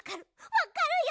わかるよ